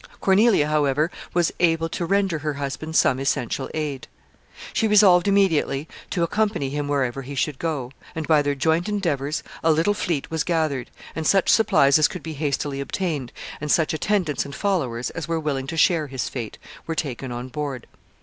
Cornelia, however, was able to render her husband some essential aid. She resolved immediately to accompany him wherever he should go; and, by their joint endeavors, a little fleet was gathered, and such supplies as could be hastily obtained, and such attendants and followers as were willing to share his fate, were taken on board.